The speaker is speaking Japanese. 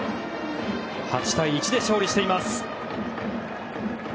８対１で勝利しています。